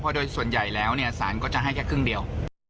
โดยส่วนใหญ่แล้วสารก็จะให้แค่ครึ่งเดียว